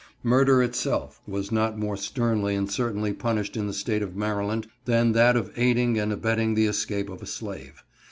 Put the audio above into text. Murder itself was not more sternly and certainly punished in the State of Maryland than that of aiding and abetting the escape of a slave.